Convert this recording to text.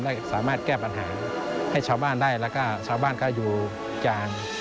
และสามารถแก้ปัญหาให้ชาวบ้านได้แล้วก็ชาวบ้านก็อยู่จาน